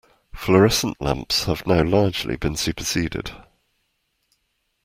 Fluorescent lamps have now largely been superseded